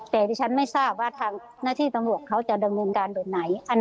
แต่ดิฉันไม่ทราบว่าทางหน้าที่ตำรวจเขาจะดำเนินการแบบไหน